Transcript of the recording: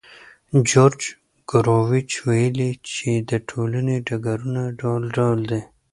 جورج ګوروویچ ویلي چې د ټولنې ډګرونه ډول ډول دي.